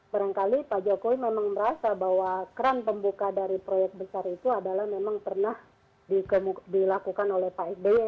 barangkali pak jokowi memang merasa bahwa keran pembuka dari proyek besar itu adalah memang pernah dilakukan oleh pak sby